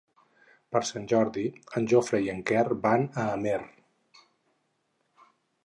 Per Sant Jordi en Jofre i en Quer van a Amer.